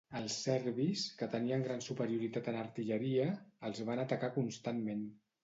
Els serbis, que tenien gran superioritat en artilleria, els van atacar constantment.